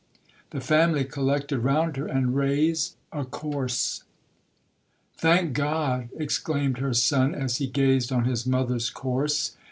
The family collected round her, and raised—a corse. 'Thank God!' exclaimed her son, as he gazed on his mother's corse.